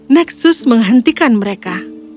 neksus menghentikan mereka